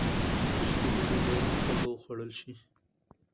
د شپې ډوډۍ باید سپکه وخوړل شي.